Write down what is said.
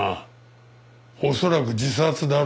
恐らく自殺だろうって。